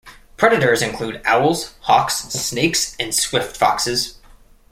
Predators include owls, hawks, snakes, and swift foxes.